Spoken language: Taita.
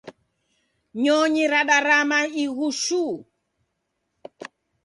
Nyonyi radarama ighu shuu.